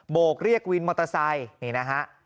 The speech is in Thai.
โกกเรียกวินมอเตอร์ไซค์นี่นะฮะ